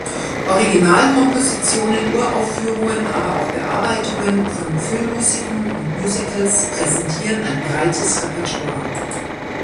Originalkompositionen, Uraufführungen, aber auch Bearbeitungen von Filmmusiken und Musicals präsentieren ein breites Repertoire.